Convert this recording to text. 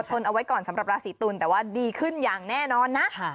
ทนเอาไว้ก่อนสำหรับราศีตุลแต่ว่าดีขึ้นอย่างแน่นอนนะ